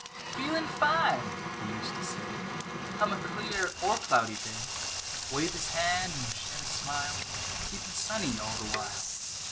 "Feelin' fine," he used to say, Come a clear or cloudy day, Wave his hand, an' shed a smile, Keepin' sunny all th' while.